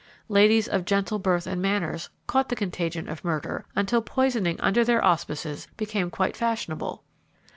Ladies of gentle birth and manners caught the contagion of murder, until poisoning, under their auspices, became quite fashionable.